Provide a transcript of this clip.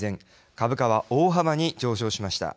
株価は大幅に上昇しました。